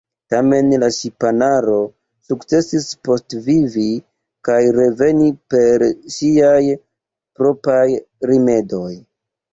Tamen la ŝipanaro sukcesis postvivi kaj reveni per siaj propraj rimedoj.